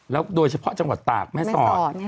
โดยเฉพาะจังหวัดตากแม่สอด